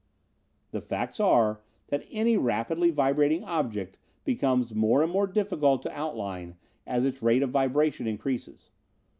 "The facts are that any rapidly vibrating object becomes more and more difficult to outline as its rate of vibration increases.